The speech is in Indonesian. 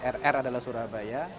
rr adalah surabaya